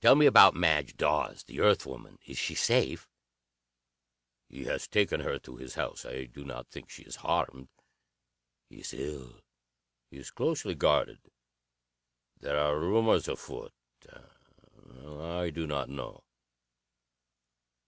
Tell me about Madge Dawes the Earth woman. Is she safe?" "He has taken her to his house. I do not think she is harmed. He is ill. He is closely guarded. There are rumors afoot. I do not know."